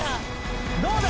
どうだ？